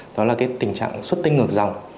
đó là tình trạng xuất tinh ngược dòng